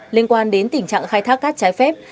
liên quan đến tình trạng khai thác cát trái phép